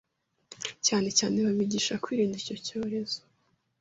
cyane cyane babigisha kwirinda icyo cyorezo